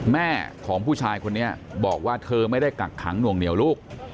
แม่ของผู้ชายคนนี้บอกว่าเธอไม่ได้กักขังหน่วงเหนียวลูก